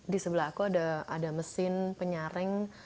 di sebelah aku ada mesin penyareng